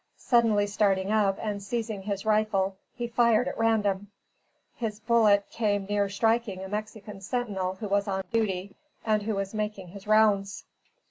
Suddenly starting up, and seizing his rifle, he fired at random. His bullet came near striking a Mexican sentinel who was on duty, and who was making his rounds.